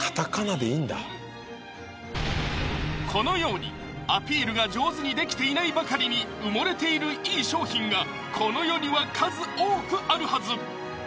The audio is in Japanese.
このようにアピールが上手にできていないばかりに埋もれているいい商品がこの世には数多くあるはず